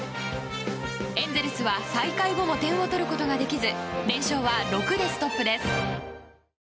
エンゼルスは再開後も点を取ることができず連勝は６でストップです。